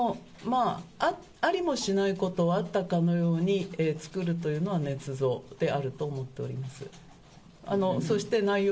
ありもしないことをあったかのように作るというのはねつ造であると思っております。